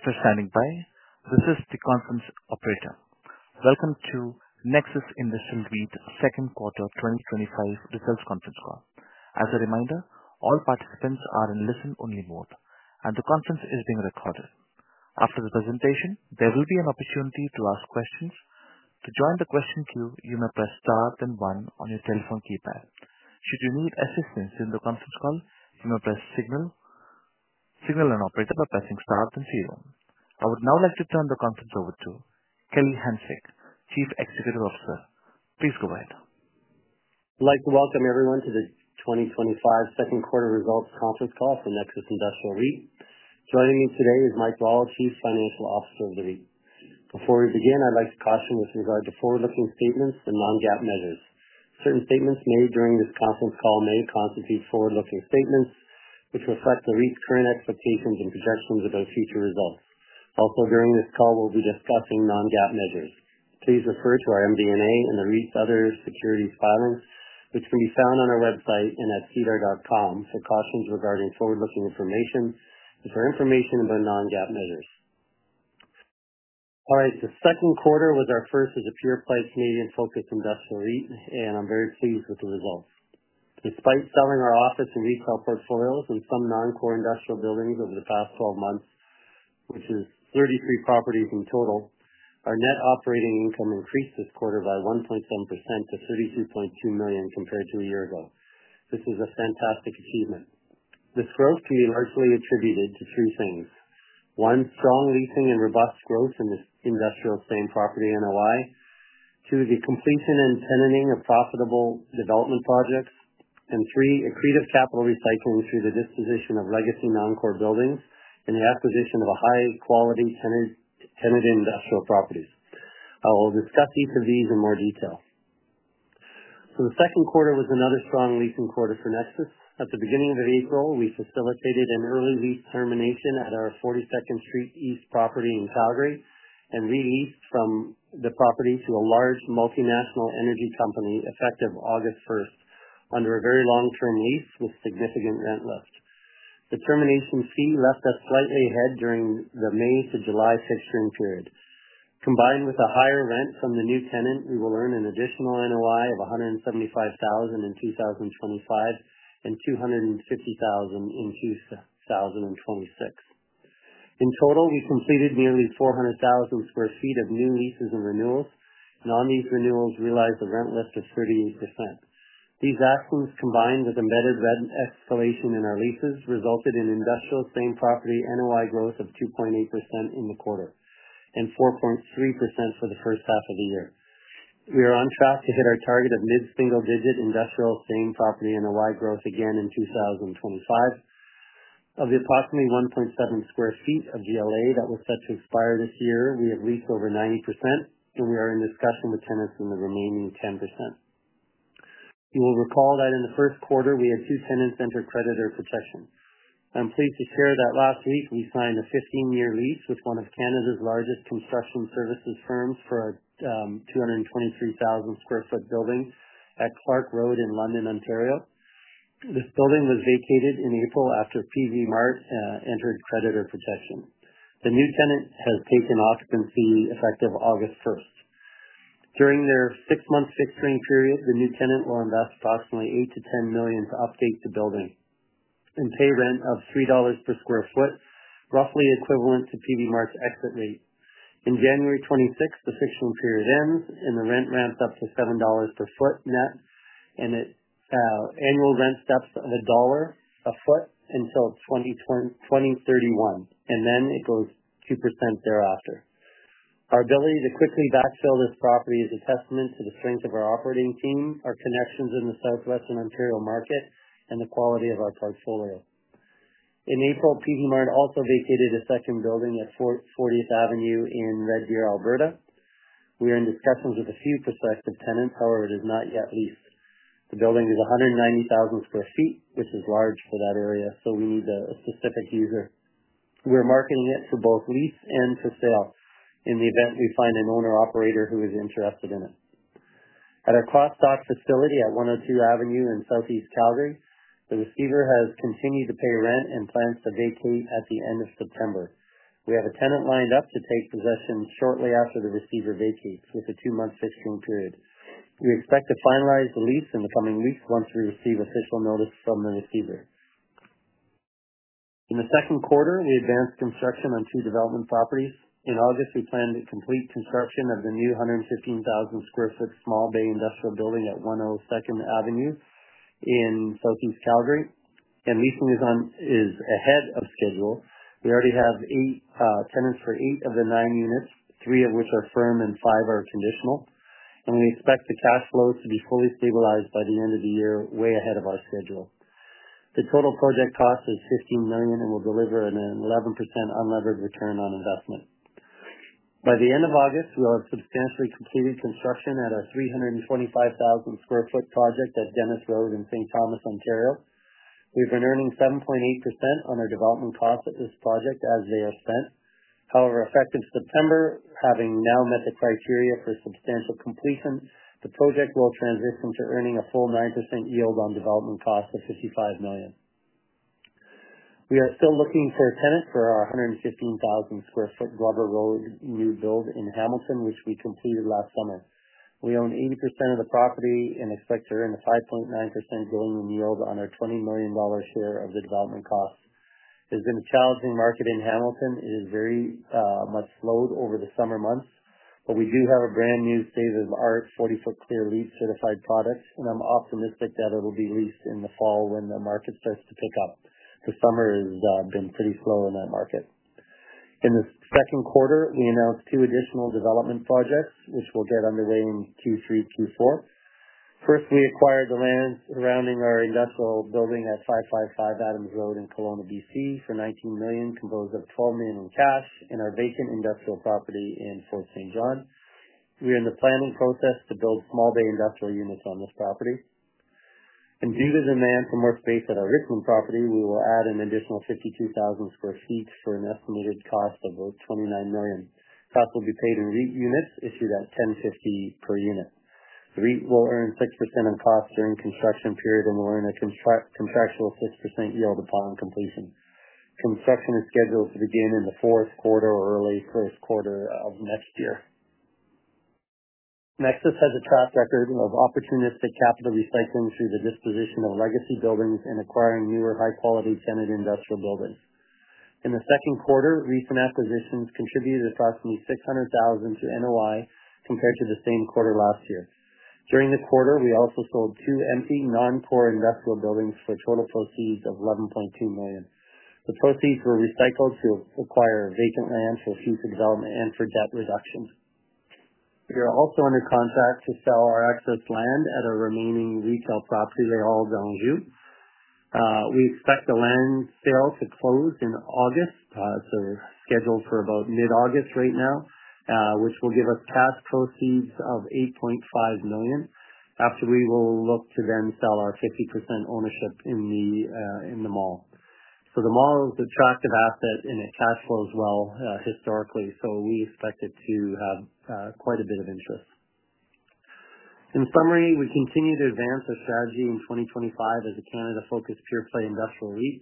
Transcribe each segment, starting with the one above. [Mr. Shining Pai], this is the conference operator. Welcome to Nexus Industrial REIT Second Quarter 2025 Results Conference Call. As a reminder, all participants are in listen-only mode, and the conference is being recorded. After the presentation, there will be an opportunity to ask questions. To join the question queue, you may press star, then one on your telephone keypad. Should you need assistance during the conference call, you may signal an operator by pressing star, then zero. I would now like to turn the conference over to Kelly Hanczyk, Chief Executive Officer. Please go ahead. Like to welcome everyone to the 2025 Second Quarter Results Conference Call for Nexus Industrial REIT. Joining me today is Mike Rawle, Chief Financial Officer of the REIT. Before we begin, I'd like to caution with regard to forward-looking statements and non-GAAP measures. Certain statements made during this conference call may constitute forward-looking statements, which reflect the REIT's current expectations and projections about future results. Also, during this call, we'll be discussing non-GAAP measures. Please refer to our MD&A and the REIT's other securities filings, which can be found on our website and at cedar.com for cautions regarding forward-looking information and for information about non-GAAP measures. All right, the second quarter was our first of the pure play Canadian-focused industrial REIT, and I'm very pleased with the results. Despite selling our office and retail portfolios and some non-core industrial buildings over the past 12 months, which is 33 properties in total, our net operating income increased this quarter by 1.7% to $32.2 million compared to a year ago. This is a fantastic achievement. This growth can be largely attributed to two things: one, strong leasing and robust growth in the industrial same-property in Hawaii; two, the completion and tenanting of profitable development projects; and three, accretive capital recycling through the disposition of legacy non-core buildings and the acquisition of high-quality tenanted industrial properties. I will discuss each of these in more detail. The second quarter was another strong leasing quarter for Nexus. At the beginning of April, we facilitated an early lease termination at our 42nd Street East property in Calgary and re-leased the property to a large multinational energy company effective August 1st, under a very long-term lease with significant rent lift. The termination fee left us slightly ahead during the May to July fixturing period. Combined with a higher rent from the new tenant, we will earn an additional NOI of $175,000 in 2025 and $250,000 in 2026. In total, we completed nearly 400,000 sq ft of new leases and renewals. Non-lease renewals realized a rent lift of 38%. These actions, combined with embedded rent escalation in our leases, resulted in industrial same-property NOI growth of 2.8% in the quarter and 4.3% for the first half of the year. We are on track to hit our target of mid-single-digit industrial same-property NOI growth again in 2025. Of the approximately 1.7 million sq ft of GLA that was set to expire this year, we have leased over 90%, and we are in discussion with tenants in the remaining 10%. You will recall that in the first quarter, we had two tenants enter creditor protection. I'm pleased to share that last week, we signed a 15-year lease with one of Canada's largest construction services firms for a 223,000 sq ft building at Clark Road in London, Ontario. This building was vacated in April after Peavey Mart entered creditor protection. The new tenant has taken occupancy effective August 1. During their six-month fixturing period, the new tenant will invest approximately $8 million-$10 million to update the building and pay rent of $3 per sq ft, roughly equivalent to Peavey Mart's exit rate. On January 26, the fixturing period ends, and the rent ramps up to $7 per foot net, with annual rent steps of $1 a foot until 2031, and then it goes 2% thereafter. Our ability to quickly backfill this property is a testament to the strength of our operating team, our connections in the Southwestern Ontario market, and the quality of our portfolio. In April, Peavey Mart also vacated a second building at 40th Avenue in Red Deer, Alberta. We are in discussions with a future prospective tenant; however, it is not yet leased. The building is 190,000 sq ft, which is large for that area, so we need a specific user. We're marketing it for both lease and for sale in the event we find an owner-operator who is interested in it. At our cross-dock facility at 102 Avenue in Southeast Calgary, the receiver has continued to pay rent and plans to vacate at the end of September. We have a tenant lined up to take possession shortly after the receiver vacates with a two-month fixturing period. We expect to finalize the lease in the coming weeks once we receive official notice from the receiver. In the second quarter, we advanced construction on two development properties. In August, we plan to complete construction of the new 115,000 sq ft small bay industrial building at 102 Avenue in Southeast Calgary, and leasing is ahead of schedule. We already have eight tenants for eight of the nine units, three of which are firm and five are conditional, and we expect the cash flows to be fully stabilized by the end of the year, way ahead of our schedule. The total project cost is $15 million and will deliver an 11% unlevered return on investment. By the end of August, we'll have substantially completed construction at our 325,000 sq ft project at Dennis Road in St. Thomas, Ontario. We've been earning 7.8% on our development costs at this project as they are spent. However, effective September, having now met the criteria for substantial completion, the project will transition to earning a full 9% yield on development costs of $55 million. We are still looking for a tenant for our 115,000 sq pt Glover Road new build in Hamilton, which we completed last summer. We own 80% of the property in a sector and a 5.9% building yield on our $20 million share of the development costs. It has been a challenging market in Hamilton. It has very much slowed over the summer months, but we do have a brand new state of the art 40-foot clear lease certified product, and I'm optimistic that it will be leased in the fall when the market starts to pick up. The summer has been pretty slow in that market. In the second quarter, we announced two additional development projects, which will get underway in Q3, Q4. First, we acquired the land surrounding our industrial building at 555 Adams Road in Kelowna, BC, for $19 million, composed of $12 million in cash, and our vacant industrial property in Fort St. John. We are in the planning process to build small bay industrial units on this property. Due to demand for more space at our Richmond property, we will add an additional 52,000 sq ft for an estimated cost of about $29 million. Costs will be paid in REIT units issued at $10.50 per unit. The REIT will earn 6% in costs during the construction period and will earn a contractual 6% yield upon completion. Construction is scheduled to begin in the fourth quarter or early first quarter of next year. Nexus has a track record of opportunistic capital recycling through the disposition of legacy buildings and acquiring newer high-quality tenant industrial buildings. In the second quarter, recent acquisitions contributed approximately $600,000 to NOI compared to the same quarter last year. During the quarter, we also sold two empty non-core industrial buildings for total proceeds of $11.2 million. The proceeds were recycled to acquire vacant land for future development and for debt reductions. We are also under contract to sell our excess land at our remaining retail property at [Old Elms Ute]. We expect the land sale to close in August, scheduled for about mid-August right now, which will give us cash proceeds of $8.5 million. After, we will look to then sell our 50% ownership in the mall. The mall is an attractive asset and it cash flows well historically, so we expect it to have quite a bit of interest. In summary, we continue to advance our strategy in 2025 as a Canada-focused pure play industrial REIT.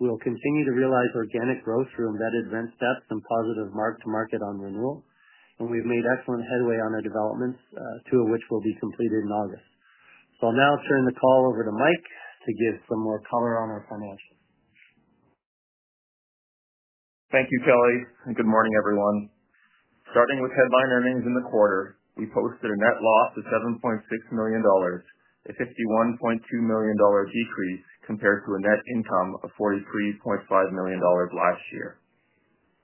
We will continue to realize organic growth through embedded rent steps and positive mark-to-market on renewal, and we've made excellent headway on our developments, two of which will be completed in August. I'll now turn the call over to Mike to give some more color on our financials. Thank you, Kelly, and good morning, everyone. Starting with headline earnings in the quarter, we posted a net loss of $7.6 million, a $51.2 million decrease compared to a net income of $43.5 million last year.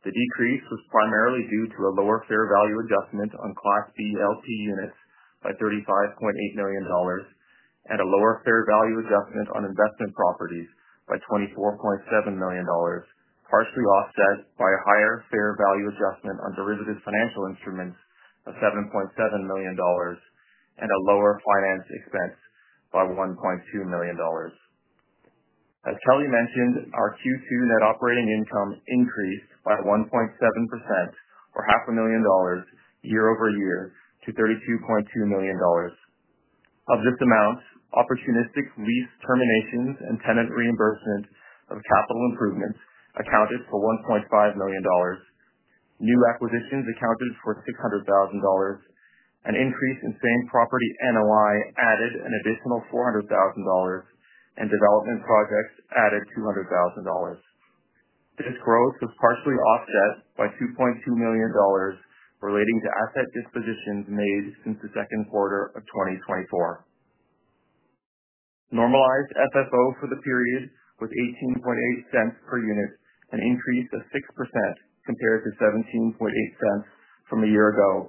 The decrease was primarily due to a lower fair value adjustment on Class C LP units by $35.8 million and a lower fair value adjustment on investment properties by $24.7 million, partially offset by a higher fair value adjustment on derivative financial instruments of $7.7 million and a lower finance expense by $1.2 million. As Kelly mentioned, our Q2 net operating income increased by 1.7%, or $0.5 million, year-over-year to $32.2 million. Of this amount, opportunistic lease terminations and tenant reimbursement of capital improvements accounted for $1.5 million. New acquisitions accounted for $600,000, an increase in same-property NOI added an additional $400,000, and development projects added $200,000. This growth is partially offset by $2.2 million relating to asset dispositions made since the second quarter of 2024. Normalized FFO for the period was $18.8 per unit and increased 6% compared to $17.8 from a year ago,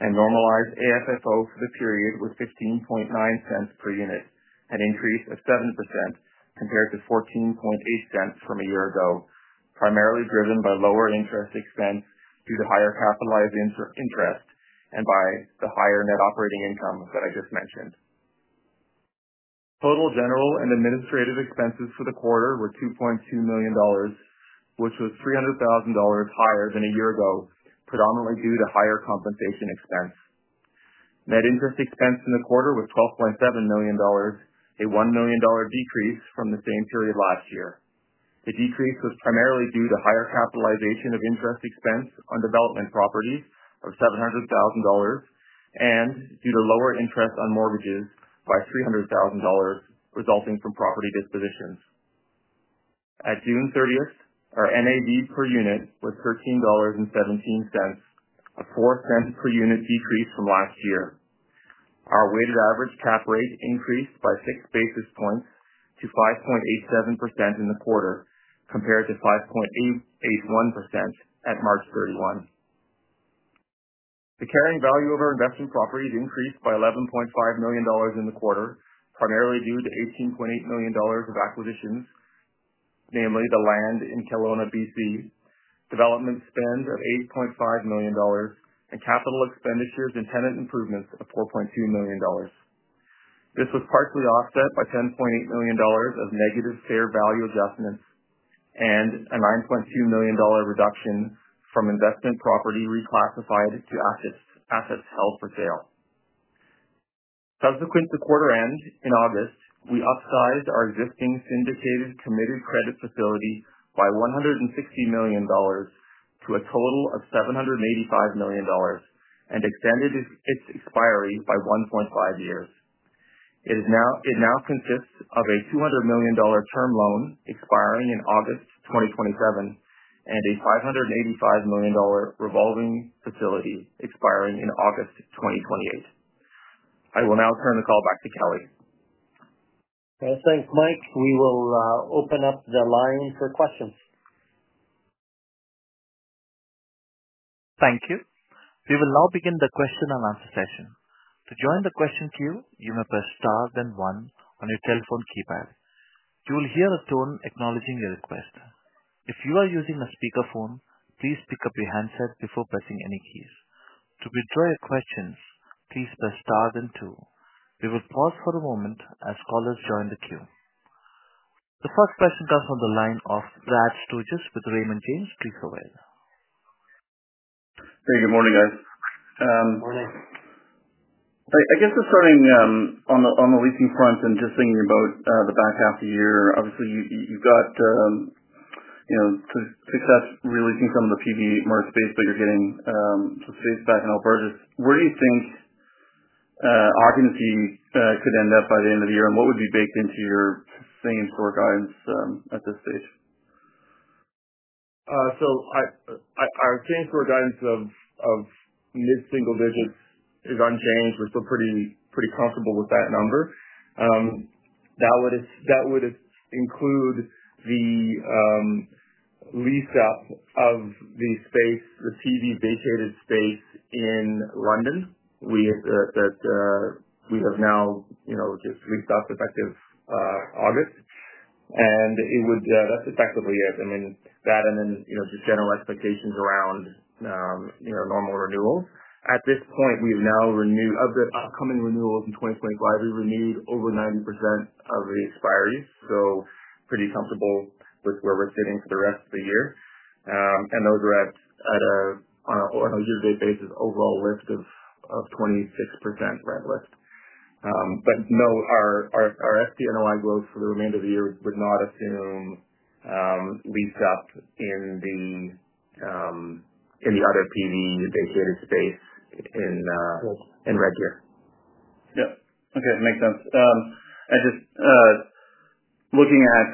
and normalized AFFO for the period was $15.9 per unit and increased 7% compared to $14.8 from a year ago, primarily driven by lower interest expense due to higher capitalized interest and by the higher net operating income that I just mentioned. Total general and administrative expenses for the quarter were $2.2 million, which was $300,000 higher than a year ago, predominantly due to higher compensation expense. Net interest expense in the quarter was $12.7 million, a $1 million decrease from the same period last year. The decrease was primarily due to higher capitalization of interest expense on development properties of $700,000 and due to lower interest on mortgages by $300,000 resulting from property dispositions. At June 30, our NAV per unit was $13.17, a $0.04 per unit decrease from last year. Our weighted average cap rate increased by six basis points to 5.87% in the quarter compared to 5.81% at March 31. The carrying value of our investment properties increased by $11.5 million in the quarter, primarily due to $18.8 million of acquisitions, namely the land in Kelowna, BC, development spend of $8.5 million, and capital expenditures and tenant improvements of $4.2 million. This was partially offset by $10.8 million of negative fair value adjustments and a $9.2 million reduction from investment property reclassified to assets held for sale. Subsequent to quarter end in August, we upsized our existing syndicated committed credit facility by $160 million to a total of $785 million and extended its expiry by 1.5 years. It now consists of a $200 million term loan expiring in August 2027 and a $585 million revolving facility expiring in August 2028. I will now turn the call back to Kelly. Fantastic, Mike. We will open up the line for questions. Thank you. We will now begin the question and answer session. To join the question queue, you may press star then one on your telephone keypad. You will hear a tone acknowledging your request. If you are using a speakerphone, please pick up your handset before pressing any keys. To withdraw your questions, please press star then two. We will pause for a moment as callers join the queue. The first question comes from the line of Brad Sturges with Raymond James. Please go ahead. Hey, good morning, guys. Morning. I guess just starting on the leasing front and just thinking about the back half of the year, obviously you've got success releasing from the Peavey Mart space, but you're getting some space back in Alberta. Where do you think occupancy could end up by the end of the year, and what would be baked into your same core guidance at this stage? Our change core guidance of mid-single digits is unchanged. We're still pretty comfortable with that number. That would include the lease out of the space, the Peavey vacated space in London. We have now just leased up effective August, and that's effectively it. That and just general expectations around normal renewals. At this point, we've now renewed upcoming renewals in 2025. We renewed over 90% of the expiry, so pretty comfortable with where we're sitting for the rest of the year. Those are at a, on a year-to-date basis, overall lift of 26% rent lift. No, our FTNOI growth for the remainder of the year would not assume lease up in the other Peavey vacated space in Red Deer. Okay. That makes sense. Just looking at,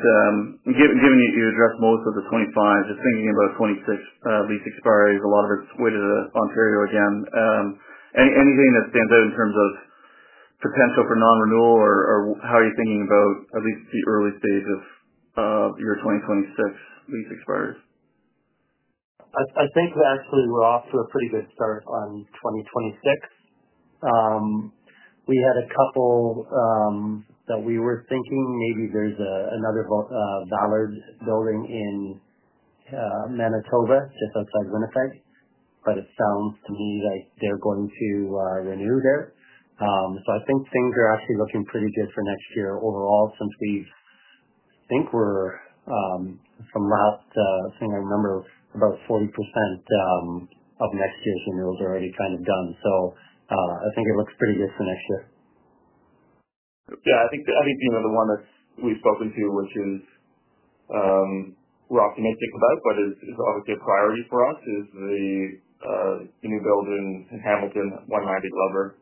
given your direct motors of the 2025, just thinking about 2026 lease expires, a lot of it's weighted to Ontario again. Anything that stands out in terms of potential for non-renewal, or how are you thinking about at least the early stage of your 2026 lease expires? I think actually we're off to a pretty good start on 2026. We had a couple that we were thinking maybe there's another valid building in Manitoba, just outside Winnipeg, but it sounds to me like they're going to renew there. I think things are actually looking pretty good for next year overall since we think we're from last, seeing a number of about 40% of next year's renewals are already kind of done. I think it looks pretty good for next year. Yeah. I think the one that we've spoken to, which is we're optimistic about, is obviously a priority for us, is the new building in Hamilton, 190 Glover.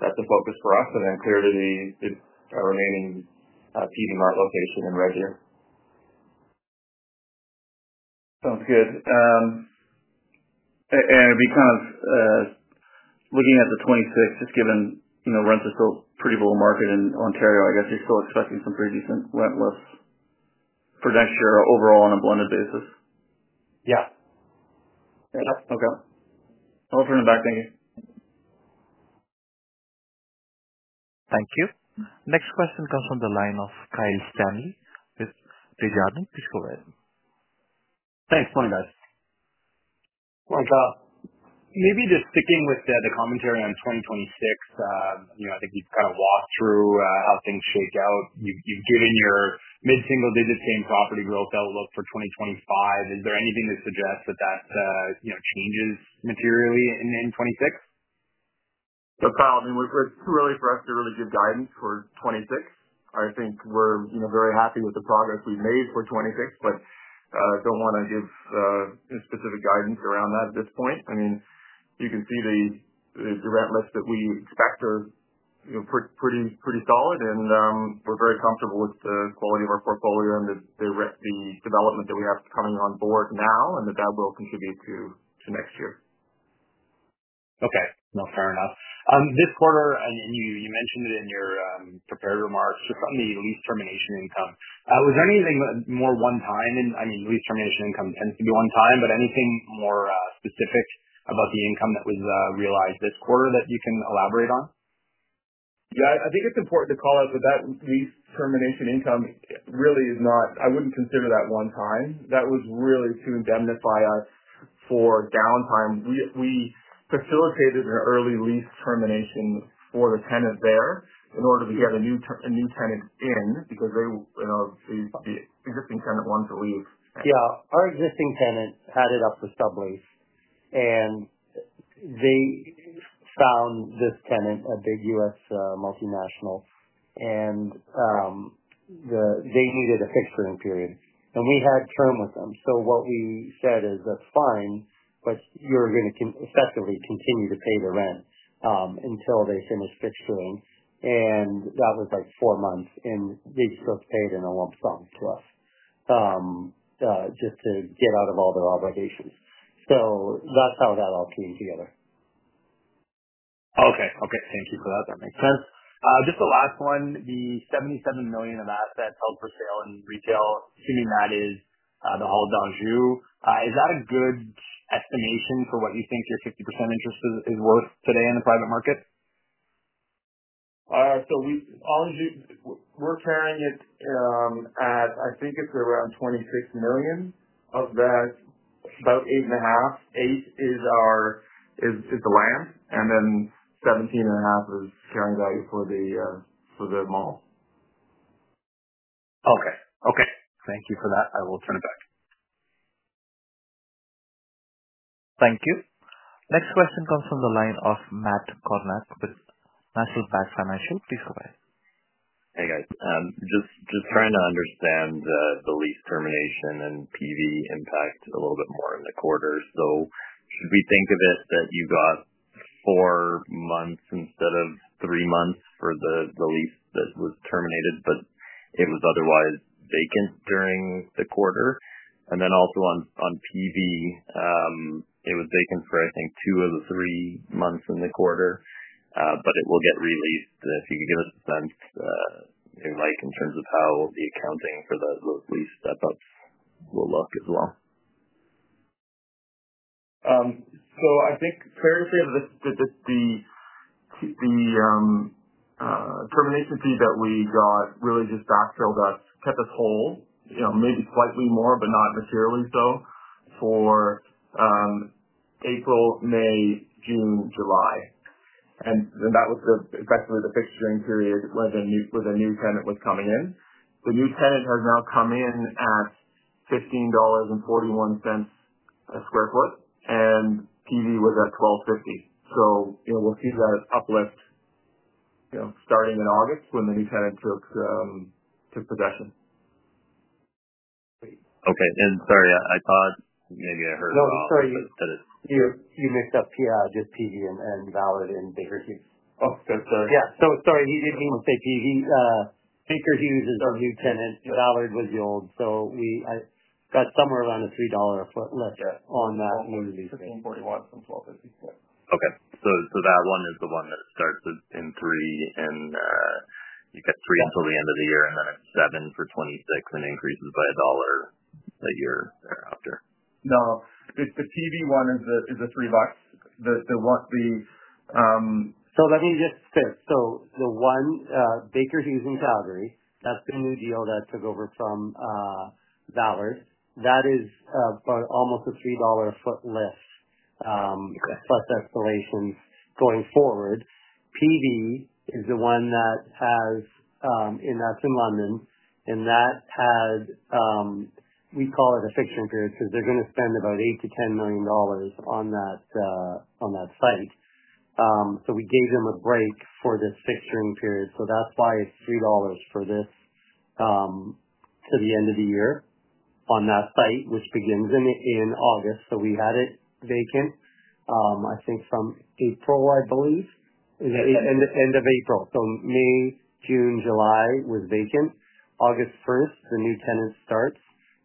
That's a focus for us. Clearly, our remaining Peavey Mart location in Red Deer. Sounds good. Looking at the 2026, just given rents are still pretty below market in Ontario, I guess you're still expecting some pretty decent rent lifts for next year overall on a blended basis. Yeah. Okay, I'll turn it back. Thank you. Thank you. Next question comes from the line of Kyle Stanley. This is [David Adling]. Please go ahead. Thanks. Morning, guys. Morning, Kyle. Maybe just sticking with the commentary on 2026, I think you've kind of walked through how things shake out. You've given your mid-single digit same-property growth outlook for 2025. Is there anything to suggest that that changes materially in 2026? Kyle, I mean, it's really for us to really give guidance for 2026. I think we're very happy with the progress we've made for 2026, but I don't want to give specific guidance around that at this point. I mean, you can see the rent lifts that we expect are pretty solid, and we're very comfortable with the quality of our portfolio and the development that we have coming on board now and that that will contribute to next year. Okay. No, fair enough. This quarter, and you mentioned it in your prepared remarks on the lease termination income, was there anything more one-time? I mean, lease termination income tends to be one-time, but anything more specific about the income that was realized this quarter that you can elaborate on? I think it's important to call out that that lease termination income really is not, I wouldn't consider that one-time. That was really to indemnify us for downtime. We facilitated an early lease termination for the tenant there in order to get a new tenant in because the existing tenant wanted to leave. Yeah. Our existing tenant had it up for stub lease, and they found this tenant, a big U.S. multinational, and they needed a fixturing period. We had term with them. What we said is, "That's fine, but you're going to effectively continue to pay the rent until they finish fixturing." That was like four months, and they just paid in a lump sum to us just to get out of all their obligations. That's how that all came together. Okay. Thank you for that. That makes sense. Just the last one, the $77 million of assets held for sale in retail, assuming that is the Old Elms Ute, is that a good estimation for what you think your 50% interest is worth today in the private market? All right. We're carrying it at, I think it's around $26 million of that. It's about $8.5 million. $8 million is the land, and then $17.5 million is sharing value for the mall. Okay. Thank you for that. I will turn it back. Thank you. Next question comes from the line of Matt Kornack. National Bank Financial. Please go ahead. Hey, guys. Just trying to understand the lease termination and Peavey impact a little bit more in the quarter. If we think of this that you got four months instead of three months for the lease that was terminated, but it was otherwise vacant during the quarter. Also, on Peavey, it was vacant for, I think, two of the three months in the quarter, but it will get released. If you could give us a sense, Mike, in terms of how the accounting for the lease step-ups will look as well. I think fair to say that the termination fee that we got really just backfilled us, kept us whole, you know, maybe slightly more, but not materially so for April, May, June, July. That was effectively the fixturing period when the new tenant was coming in. The new tenant has now come in at $15.41 a square foot, and Peavey was at $12.50. You know we'll see that uplift starting in August when the new tenant took possession. Okay. Sorry, I paused. Maybe I heard a lot. No, sorry. That is. You missed up, yeah, just Peavey and Valor and Baker Hughes. Oh, sorry. Sorry, he didn't even say Peavey. Baker Hughes is a new tenant. Valor was the old. We got somewhere around a $3 lift on that. $16.41 from $12.50. Okay. That one is the one that starts in three, and you get three until the end of the year, then it's seven for 2026 and increases by a dollar a year thereafter. No. The Peavey one is the three bucks. The work the. Let me just say, the one, Baker Hughes in Calgary, that's the new deal that took over from Valor. That is about almost a $3 a foot lift. The escalations going forward, Peavey is the one that's in London. That had, we call it a fixturing period because they're going to spend about $8 million-$10 million on that site. We gave them a break for this fixturing period. That's why it's $3 for this to the end of the year on that site, which begins in August. We had it vacant, I think, from April, I believe. Is it the end of April? May, June, July was vacant. August 1, the new tenant starts,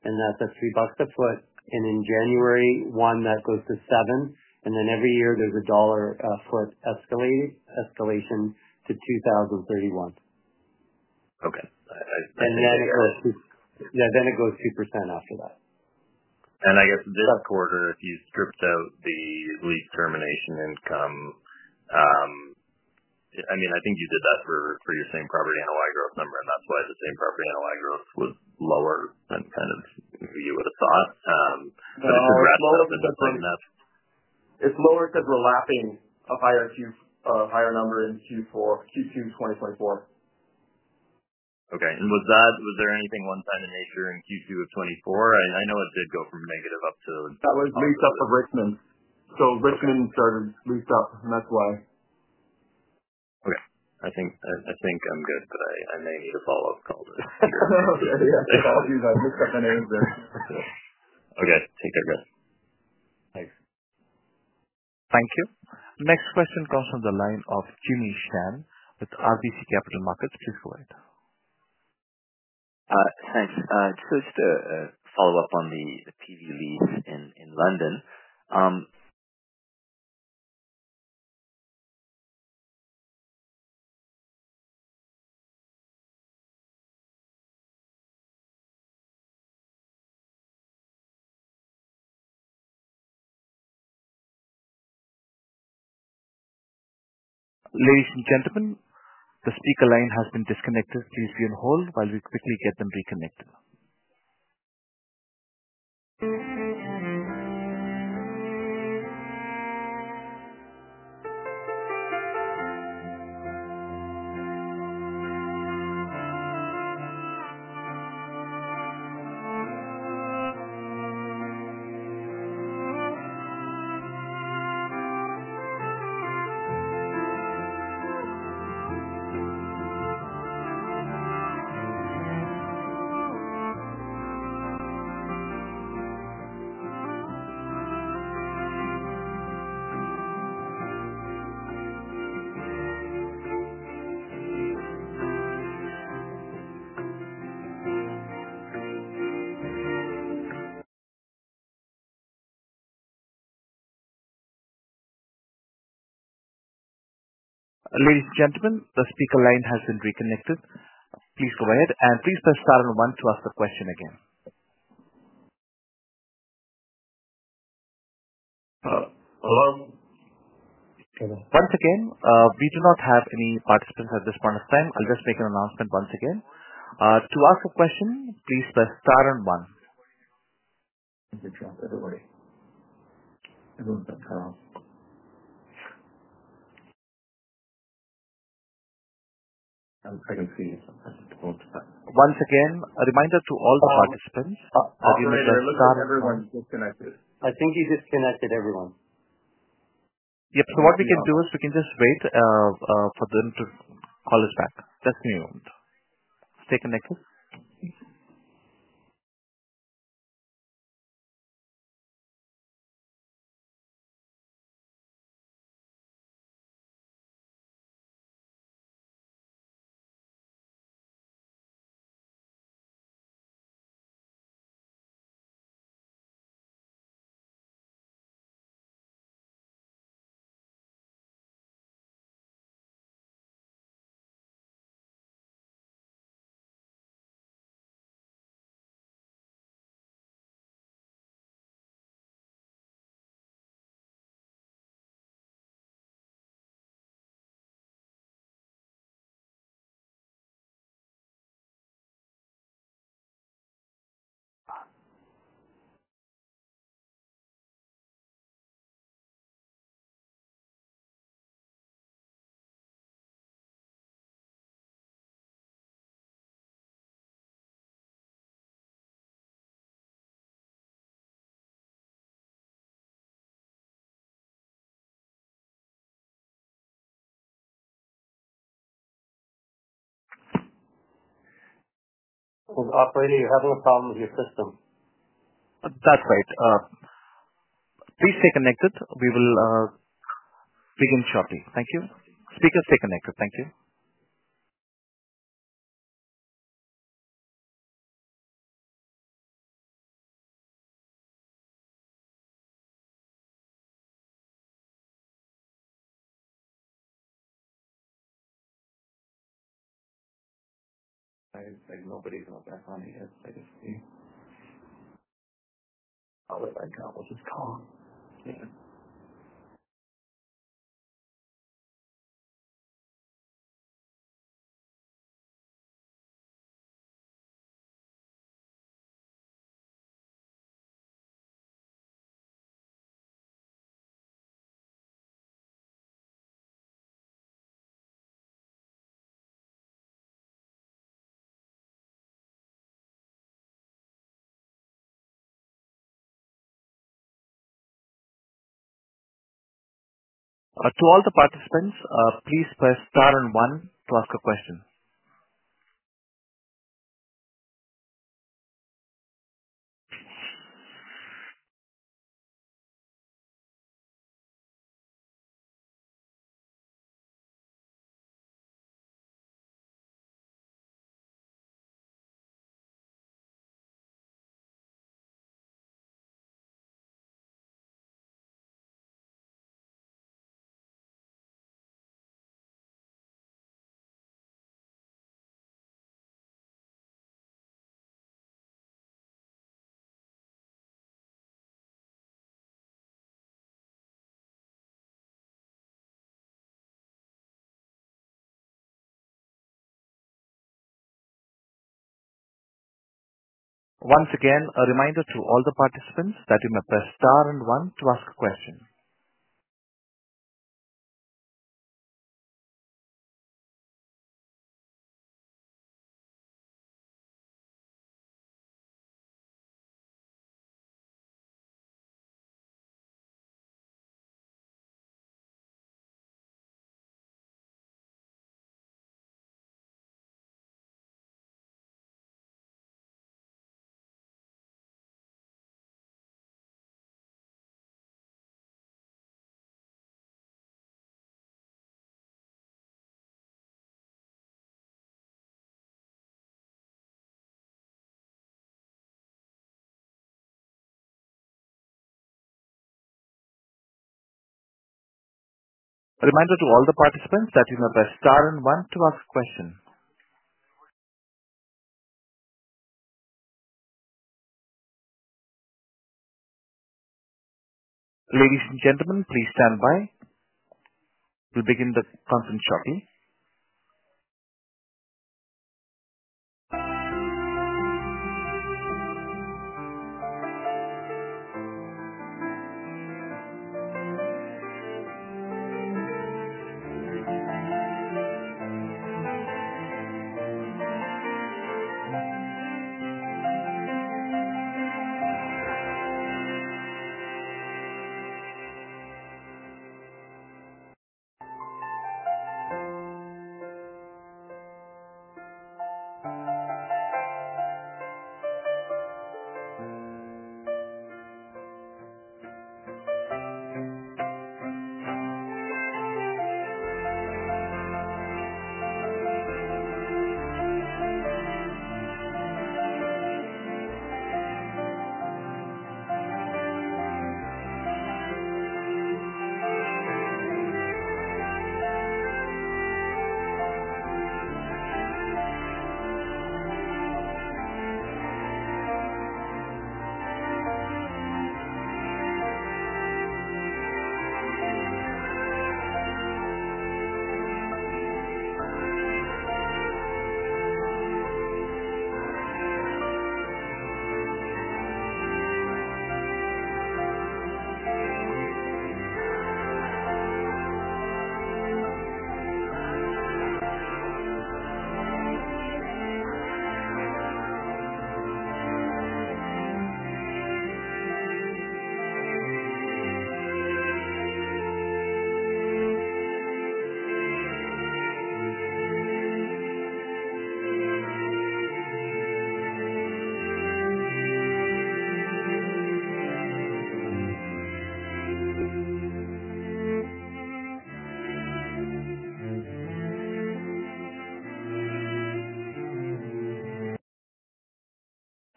and that's a $3 a foot. In January, that goes to $7. Every year, there's a $1 a foot escalation to 2031. Okay. It goes 2% after that. I guess in this quarter, if you stripped out the lease termination income, I mean, I think you did that for your same-property NOI growth number, and that's why the same-property NOI growth was lower than kind of you would have thought. It's lower because we're lapping a higher number in Q2 2024. Was there anything one-time in nature in Q2 of 2024? I know it did go from negative up to. It was leased up of Richmond. Richmond started leased up, and that's why. Okay, I think I'm good, but I may need a follow-up call later. Okay. I apologize. I'll look up that answer. Okay. Take care, guys. Thanks. Thank you. Next question comes from the line of Jimmy Shan with RBC Capital Markets. Please go ahead. Thanks. Just a follow-up on the Peavey lease in London. Ladies and gentlemen, the speaker line has been disconnected. Please be on hold while we quickly get them reconnected. Ladies and gentlemen, the speaker line has been reconnected. Please go ahead and please press star and one to ask a question again. Once again, we do not have any participants at this point of time. I'll just make an announcement once again. To ask a question, please press star and one. I don't worry. I don't see it. Once again, a reminder to all the participants. I think he disconnected everyone. Yep. What we can do is we can just wait for them to call us back. Just a moment. Let's take a moment. Operator, you're having a problem with your system. That's great. Please stay connected. We will begin shortly. Thank you. Speaker, stay connected. Thank you. I guess nobody's on the phone yet. Let me just see. Oh, it's right now. We'll just pause. To all the participants, please press star and one to ask a question. Once again, a reminder to all the participants that you may press star and one to ask a question. A reminder to all the participants that you may press star and one to ask a question. Ladies and gentlemen, please stand by. We'll begin the conference shortly.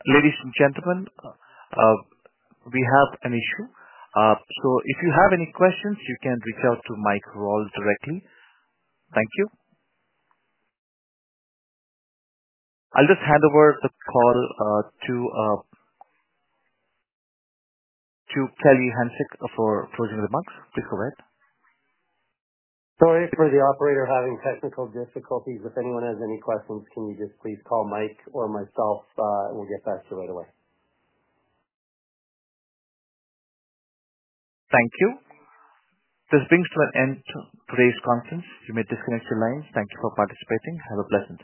Ladies and gentlemen, we have an issue. If you have any questions, you can reach out to Mike Rawle directly. Thank you. I'll just hand over the call to Kelly Hanczyk for closing remarks. Please go ahead. Sorry for the operator having technical difficulties. If anyone has any questions, can you just please call Mike or myself? We'll get back to you right away. Thank you. This brings to an end today's conference. You may disconnect the lines. Thank you for participating. Have a pleasant day.